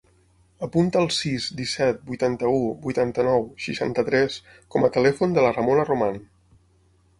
Apunta el sis, disset, vuitanta-u, vuitanta-nou, seixanta-tres com a telèfon de la Ramona Roman.